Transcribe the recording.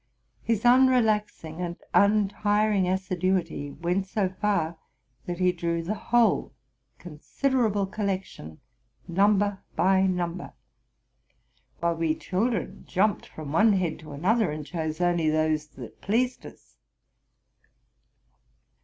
His unrelaxing and untir ing assiduity went so far, that he drew the whole considera ble collection number by number; while we children jumped from one head to another, and chose only those that pleased us.